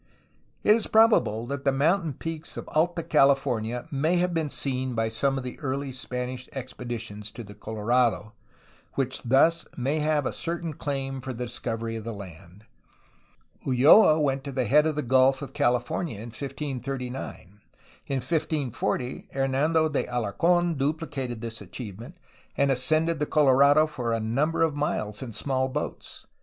It is probable that the mountain peaks of Alta California may have been seen by some of the early Spanish expeditions to the Colorado, which thus may have a certain claim for the discovery of the land. Ulloa went to the head of the Gulf of California in 1539. In 1540 Hernando de Alarc6n duplicated this achievement, and ascended the Colorado for a number of miles in small boats.